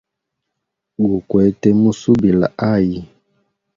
Gukwete musubila hayi.